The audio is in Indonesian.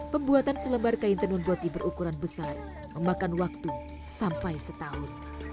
pembuatan selebar kain tenun boti berukuran besar memakan waktu sampai setahun